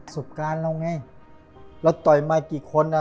สุภาพเราไงเราต่อยมากี่คนอ่ะ